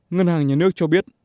ngân hàng nhà nước cho biết